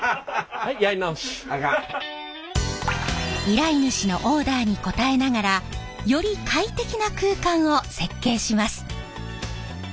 依頼主のオーダーに応えながらより快適な空間を設計します。